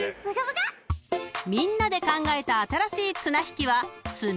［みんなで考えた新しい綱引きは］